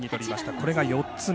これが４つ目。